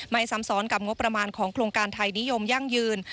ซ้ำซ้อนกับงบประมาณของโครงการไทยนิยมยั่งยืน